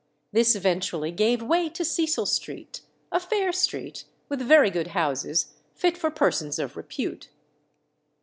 This eventually gave way to Cecil Street, a fair street, with very good houses, fit for persons of repute.